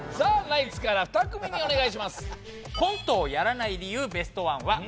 ナイツから２組にお願いしますコントをやらない理由ベストワンは？